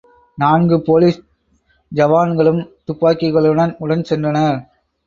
நான்கு போலீஸ் ஜவான்களும் துப்பாக்கிகளுடன் உடன் சென்றனர்.